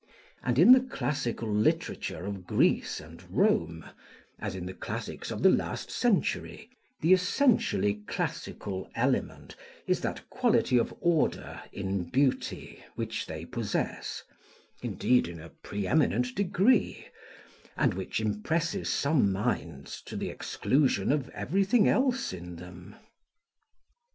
And in the classical literature of Greece and Rome, as in the classics of the last century, the essentially classical element is that quality of order in beauty, which they possess, indeed, in a pre eminent degree, and which impresses some minds to the exclusion of everything else in them.